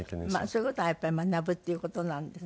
そういう事がやっぱり学ぶっていう事なんでね。